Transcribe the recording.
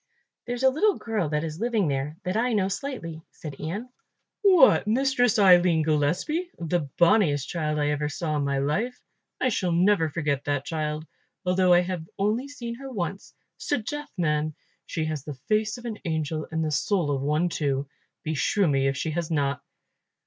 "There's a little girl that is living there, that I know slightly," said Ian. "What, Mistress Aline Gillespie! the bonniest child I ever saw in my life. I shall never forget that child, although I have only seen her once. 'Sdeath, man, she has the face of an angel and the soul of one too, beshrew me if she has not."